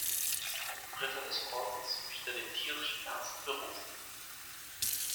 Ritter des Ordens wider den tierischen Ernst berufen.